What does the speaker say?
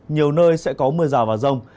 nhiều nơi sẽ có mưa rào và rông